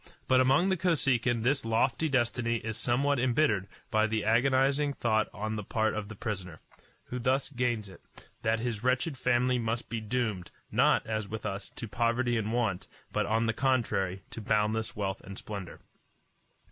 But among the Kosekin this lofty destiny is somewhat embittered by the agonizing thought on the part of the prisoner, who thus gains it, that his wretched family must be doomed, not, as with us, to poverty and want, but, on the contrary, to boundless wealth and splendor.